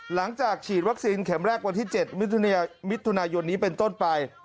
หลังจากฉีดวัคซีนเข็มแรกวันที่๗มิถุนายนนี้เป็นต้นไป